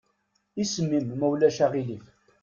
Isem-im ma ulac aɣilif?